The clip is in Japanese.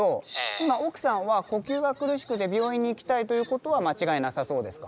今奧さんは呼吸が苦しくて病院に行きたいということは間違いなさそうですか？